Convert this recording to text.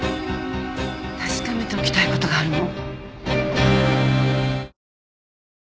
確かめておきたいことがあるの。